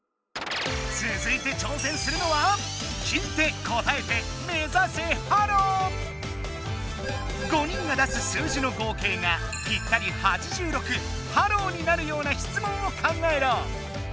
つづいてちょうせんするのは５人が出す数字の合計がぴったり８６ハローになるような質問を考えろ！